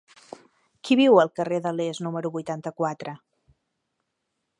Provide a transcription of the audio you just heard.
Qui viu al carrer de l'Est número vuitanta-quatre?